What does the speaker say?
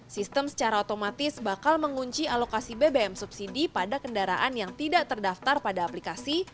sistem secara otomatis bakal mengunci alokasi bbm subsidi pada kendaraan yang tidak terdaftar pada aplikasi